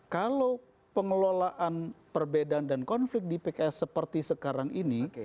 kalau pengelolaan perbedaan dan konflik di pks seperti sekarang ini